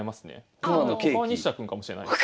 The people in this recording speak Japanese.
他は西田君かもしれないです。